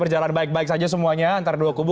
berjalan baik baik saja semuanya antara dua kubu